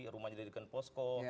rumahnya di dengan posko